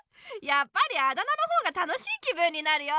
やっぱりあだ名の方が楽しい気分になるよ。